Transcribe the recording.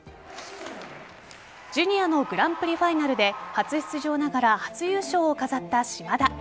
ジュニアのグランプリファイナルで初出場ながら初優勝を飾った島田。